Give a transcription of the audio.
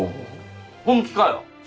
本気かよ？